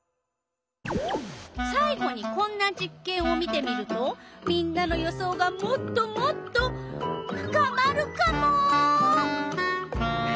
さい後にこんな実けんを見てみるとみんなの予想がもっともっと深まるカモ！